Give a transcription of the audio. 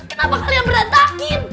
kenapa kalian berantakin